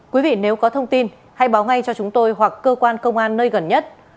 quý vị nếu có thông tin hãy báo ngay cho chúng tôi hoặc cơ quan công an nơi gần nhất